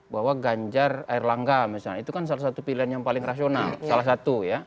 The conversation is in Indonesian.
bahwa ganjar erlangga misalnya itu kan salah satu pilihan yang paling rasional salah satu ya